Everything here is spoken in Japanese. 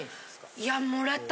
いや。